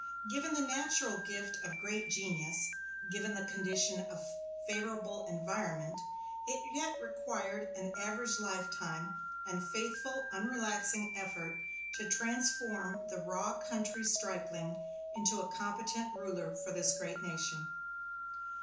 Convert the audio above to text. Given the natural gift of great genius, given the condition of favorable environment, it yet required an average lifetime and faithful unrelaxing effort to transform the raw country stripling into a competent ruler for this great nation.